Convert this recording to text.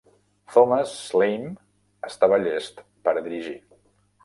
Thomas Schlamme estava llest per a dirigir.